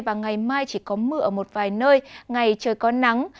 và ngày mai chỉ có mưa ở một vài nơi ngày trời có nắng